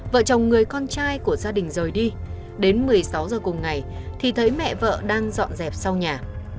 vợ chồng người con trai của gia đình rời đi đến một mươi sáu giờ cùng ngày thì thấy mẹ vợ đang dọn dẹp sau nhà